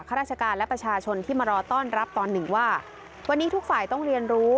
ข้าราชการและประชาชนที่มารอต้อนรับตอนหนึ่งว่าวันนี้ทุกฝ่ายต้องเรียนรู้